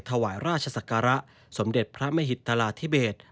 ถวายราชศักระสมเด็จพระมหิตราธิเบศ